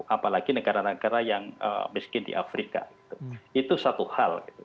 apalagi negara negara yang miskin di afrika itu satu hal gitu